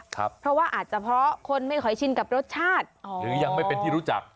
เพราะว่าอาจจะเพราะคนไม่ค่อยชินกับรสชาติหรือยังไม่เป็นที่รู้จัก